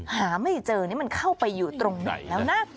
หาไม่เจอนี่มันเข้าไปอยู่ตรงไหนแล้วนะ